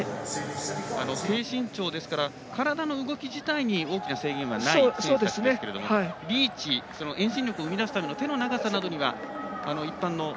低身長ですから体の動き自体に大きな制限はないんですけれどもリーチ、遠心力を生み出すための手の長さなどには、一般の。